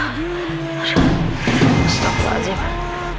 astaghfirullah alj dese billah